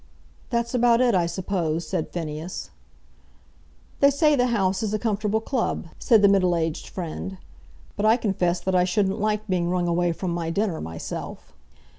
"That's about it, I suppose," said Phineas. "They say the House is a comfortable club," said the middle aged friend, "but I confess that I shouldn't like being rung away from my dinner myself."